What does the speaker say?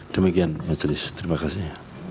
demikian mas jelis terima kasih